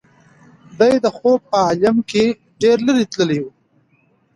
دی د خوب په عالم کې ډېر لرې تللی و.